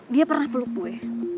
dia pernah peluk gue